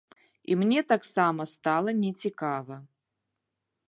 І мне таксама стала нецікава.